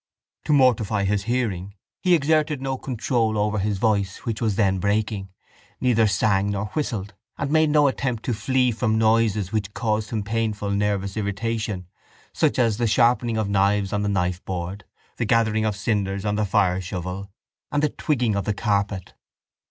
To mortify his hearing he exerted no control over his voice which was then breaking, neither sang nor whistled, and made no attempt to flee from noises which caused him painful nervous irritation such as the sharpening of knives on the knifeboard, the gathering of cinders on the fireshovel and the twigging of the carpet.